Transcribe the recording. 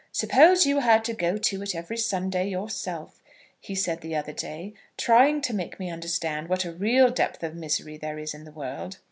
'Suppose you had to go to it every Sunday yourself,' he said the other day, trying to make me understand what a real depth of misery there is in the world.